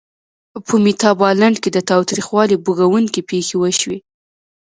په میتابالنډ کې د تاوتریخوالي بوږنوونکې پېښې وشوې.